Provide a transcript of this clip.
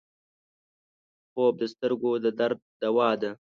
خوب د سترګو د درد دوا ده